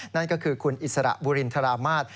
นั่นก็คือคุณอิสระบุรินทรามาศ